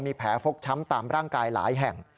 มีแผลฟกช้ำตามร่างกายหลายแห่ง